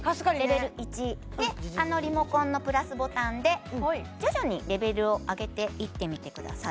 レベル１でリモコンのプラスボタンで徐々にレベルを上げていってみてください